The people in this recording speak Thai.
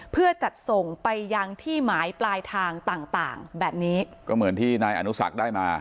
เพื่อจัดส่งไปยังที่หมายปลายทางต่างต่างแบบนี้ก็เหมือนที่นายอนุสักได้มา